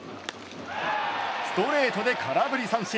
ストレートで空振り三振！